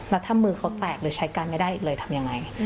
แล้วถ้ามือเขาแตกหรือใช้การไม่ได้อีกเลยทำยังไง